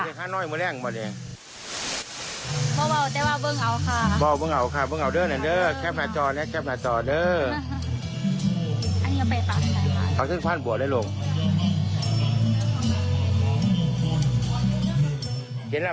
อ่า๑๖๐